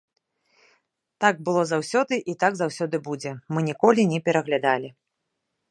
Так было заўсёды і так заўсёды будзе, мы ніколі не пераглядалі.